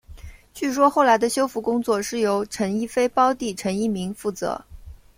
据说后来的修复工作是由陈逸飞胞弟陈逸鸣负责。